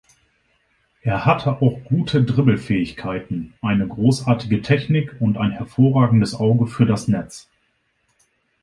Er hatte auch gute Dribbel-Fähigkeiten, eine großartige Technik und ein hervorragendes Auge für das Netz.